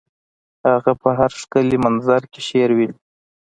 هغه په هر ښکلي منظر کې شعر ویني